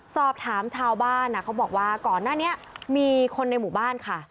สอบถามชาวบ้านเขาบอกว่าก่อนหน้านี้มีคนในหมู่บ้านค่ะ